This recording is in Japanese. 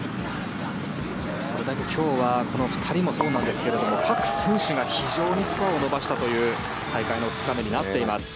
それだけ今日はこの２人もそうですが各選手が非常にスコアを伸ばしたという大会の２日目になっています。